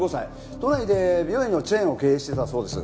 都内で美容院のチェーンを経営してたそうです。